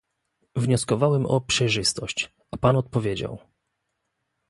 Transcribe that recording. Wnioskowałem o przejrzystość, a pan odpowiedział